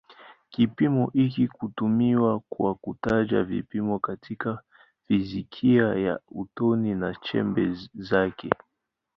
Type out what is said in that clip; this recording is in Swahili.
Kipimo hiki hutumiwa kwa kutaja vipimo katika fizikia ya atomi na chembe zake.